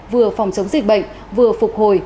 vừa phòng chống dịch bệnh vừa phục hồi